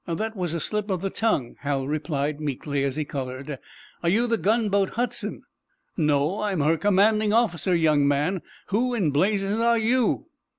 That was a slip of the tongue," Hal replied, meekly, as he colored. "Are you the gunboat 'Hudson?'" "No; I'm her commanding officer, young man! Who in blazes are you?"